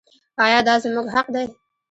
آیا دا زموږ حق دی؟